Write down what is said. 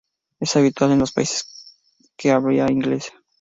Es habitual en los países de habla inglesa.